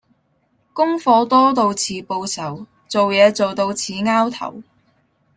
功課多到似報仇做嘢做到似 𢯎 頭